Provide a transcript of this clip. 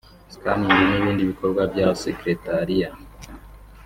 scanning n’ibindi bikorwa bya Secretariat